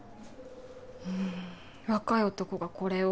若い男がこれを。